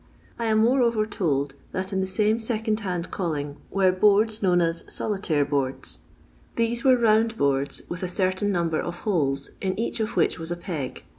I am moreover told that in the same second hand calling were boards known as " solitaire boords." These were round boards, with a certain number of holes, in each of which was a peg.